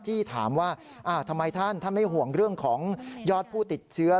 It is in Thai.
ถามว่าทำไมท่านท่านไม่ห่วงเรื่องของยอดผู้ติดเชื้อ